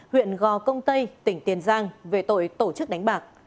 huyện gò công tây tỉnh tiền giang về tội tổ chức đánh bạc